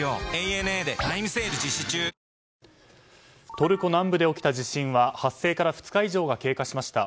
トルコ南部で起きた地震は発生から２日以上が経過しました。